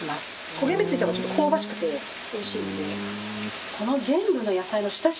焦げ目ついた方が香ばしくておいしいので。